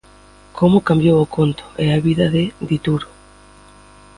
Como cambiou o conto e a vida de Dituro.